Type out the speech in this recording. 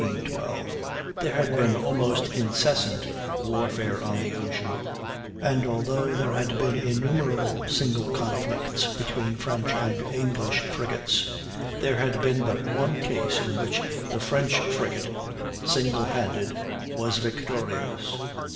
During the twenty years preceding 1812 there had been almost incessant warfare on the ocean, and although there had been innumerable single conflicts between French and English frigates, there had been but one case in which the French frigate, single handed, was victorious.